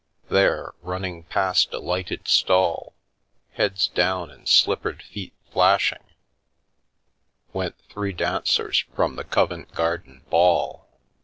There, run ning past a lighted stall, heads down and slippered feet flashing, went three dancers from the Covent Garden 213 The Milky Way ball.